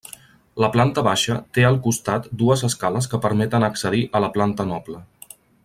La planta baixa té al costat dues escales que permeten accedir a la planta noble.